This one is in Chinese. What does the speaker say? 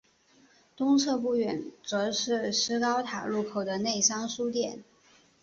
东侧不远则是施高塔路口的内山书店。